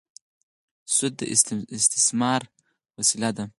سود د استثمار وسیله ده.